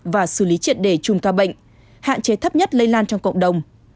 và xử lý triện đề chung ca bệnh hạn chế thấp nhất lây lan trong cộng đồng